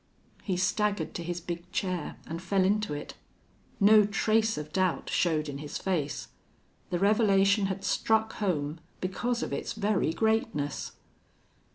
He staggered to his big chair and fell into it. No trace of doubt showed in his face. The revelation had struck home because of its very greatness.